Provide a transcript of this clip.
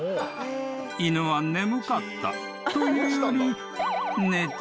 ［犬は眠かったというより］